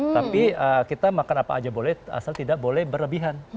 tapi kita makan apa aja boleh asal tidak boleh berlebihan